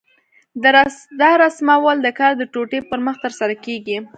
دا رسمول د کار د ټوټې پر مخ ترسره کېږي.